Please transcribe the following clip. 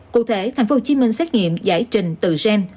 cụ thể tp hcm xét nghiệm giải trình tự gen